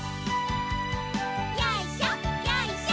よいしょよいしょ。